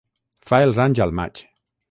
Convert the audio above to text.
Fa els anys al maig.